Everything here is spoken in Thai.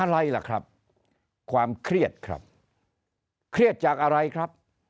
อะไรล่ะครับความเครียดครับเครียดจากอะไรครับ